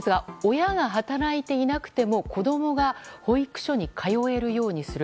親が働いていなくても子供が保育所に通えるようにする。